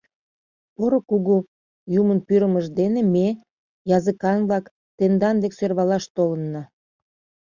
Поро кугу юмын пӱрымыж дене ме, языкан-влак, тендан дек сӧрвалаш толынна.